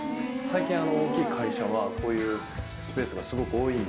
最近大きい会社はこういうスペースがすごく多い。